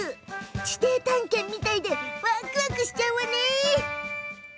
地底探検みたいでわくわくしちゃうわ！